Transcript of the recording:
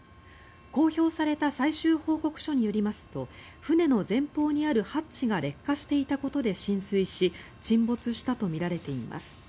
公表された最終報告書によりますと船の前方にあるハッチが劣化していたことで浸水し沈没したとみられています。